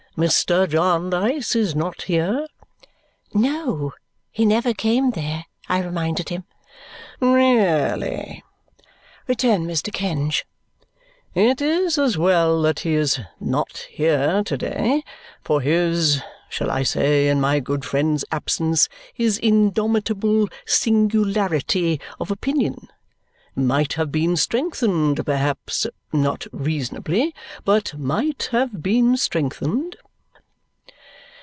Mr. Jarndyce is not here?" No. He never came there, I reminded him. "Really," returned Mr. Kenge, "it is as well that he is NOT here to day, for his shall I say, in my good friend's absence, his indomitable singularity of opinion? might have been strengthened, perhaps; not reasonably, but might have been strengthened."